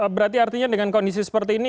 berarti artinya dengan kondisi seperti ini